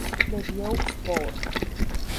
Le Vieux-Bourg